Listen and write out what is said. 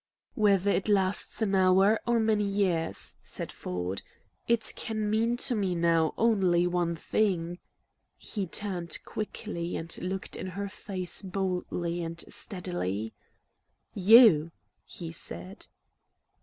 "Whether it lasts an hour or many years," said Ford, "it can mean to me now only one thing " He turned quickly and looked in her face boldly and steadily: "You," he said.